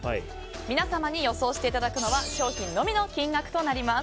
皆様に予想していただくのは商品のみの金額です。